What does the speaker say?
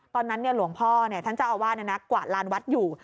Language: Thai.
ตอนนั้นหลวงพ่อเนี่ยท่านเจ้าอาวาสกว่าร้านวัดอยู่